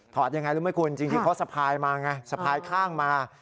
ยังไงรู้ไหมคุณจริงเขาสะพายมาไงสะพายข้างมา